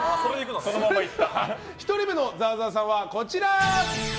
１人目のざわざわさんはこちら。